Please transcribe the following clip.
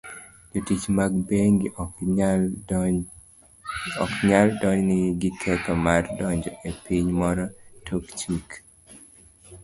Jotich mag bengi oknyal donjnegi gi ketho mar donjo e piny moro tok chik.